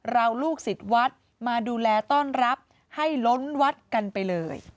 ลูกศิษย์วัดมาดูแลต้อนรับให้ล้นวัดกันไปเลย